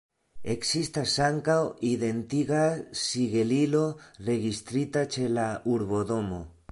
Ekzistas ankaŭ identiga sigelilo registrita ĉe la urbodomo.